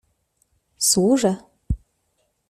służę.